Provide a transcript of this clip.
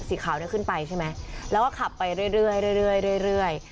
สีขาวเนี่ยขึ้นไปใช่ไหมแล้วก็ขับไปเรื่อย